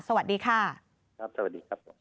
สวัสดีครับ